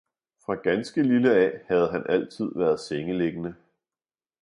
fra ganske lille af havde han altid været sengeliggende.